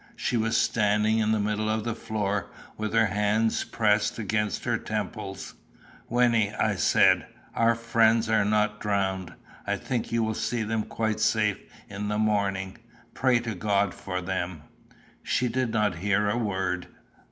She was standing in the middle of the floor, with her hands pressed against her temples. "Wynnie," I said, "our friends are not drowned. I think you will see them quite safe in the morning. Pray to God for them." She did not hear a word.